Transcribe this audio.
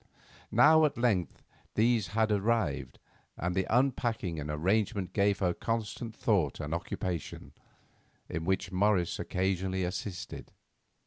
Now at length these had arrived, and the unpacking and arrangement gave her constant thought and occupation, in which Morris occasionally assisted.